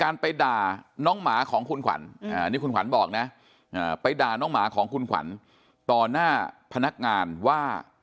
นี่คุณขวัญบอกนะไปด่าน้องหมาของคุณขวัญต่อหน้าพนักงานว่า